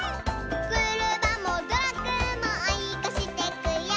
「クルマもトラックもおいこしてくよ」